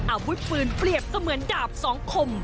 อาวุธปืนเกิกเปรียบจะเหมือนดาบสองคม